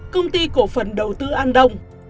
công ty cổ phần đầu tư an đông